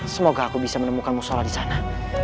semoga aku bisa menemukan musolah disana